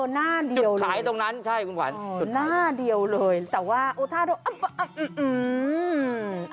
หน้าเดียวเลยจุดขายตรงนั้นใช่คุณขวานหน้าเดียวเลยแต่ว่าอุทาโดอั๊บอั๊บอื้มอื้ม